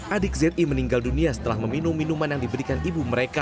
adik zi meninggal dunia setelah meminum minuman yang diberikan ibu mereka